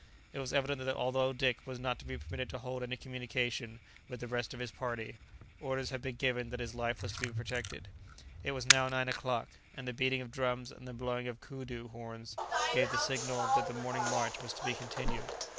It was evident that although Dick was not to be permitted to hold any communication with the rest of his party, orders had been given that his life was to be protected. [Illustration: The start was made.] It was now nine o'clock, and the beating of drums and the blowing of coodoo horns gave the signal that the morning march was to be continued.